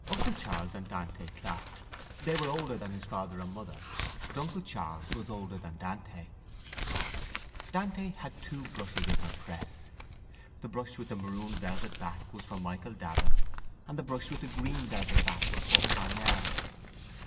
Uncle Charles and Dante clapped. They were older than his father and mother but uncle Charles was older than Dante. Dante had two brushes in her press. The brush with the maroon velvet back was for Michael Davitt and the brush with the green velvet back was for Parnell.